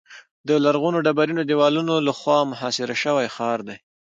د لرغونو ډبرینو دیوالونو له خوا محاصره شوی ښار دی.